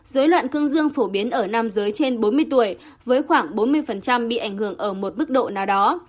dối loạn cương dương phổ biến ở nam giới trên bốn mươi tuổi với khoảng bốn mươi bị ảnh hưởng ở một mức độ nào đó